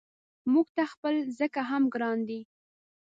موږ ته خپله ځکه هم ګران دی.